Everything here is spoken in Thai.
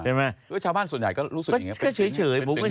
ชาวบ้านส่วนใหญ่ก็ลูกสู้อย่างงี้